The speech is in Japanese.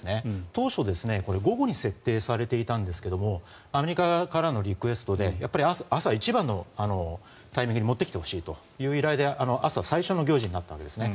当初これ、午後に設定されていたんですけどもアメリカからのリクエストでやっぱり朝一番のタイミングに持ってきてほしいということで朝、最初の行事になったんですね。